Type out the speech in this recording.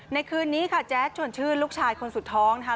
คืนนี้ค่ะแจ๊ดชวนชื่นลูกชายคนสุดท้องนะคะ